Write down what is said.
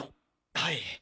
はい。